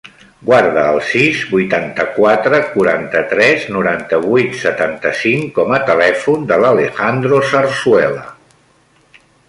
Guarda el sis, vuitanta-quatre, quaranta-tres, noranta-vuit, setanta-cinc com a telèfon de l'Alejandro Zarzuela.